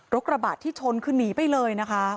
กระบะที่ชนคือหนีไปเลยนะคะ